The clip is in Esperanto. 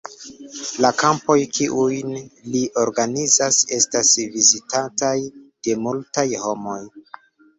La kampoj, kiujn li organizas, estas vizitataj de multaj homoj.